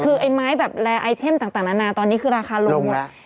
คือไอ้ไม้แบบแอร์ไอเทมต่างนานาตอนนี้คือราคาลงหมด